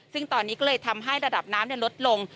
ซึ่งตอนนี้ก็เลยทำให้ระดับน้ำลดลง